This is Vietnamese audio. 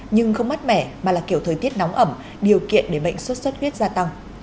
nhưng không mát mẻ mà là kiểu thời tiết nóng ẩm điều kiện để bệnh sốt xuất huyết gia tăng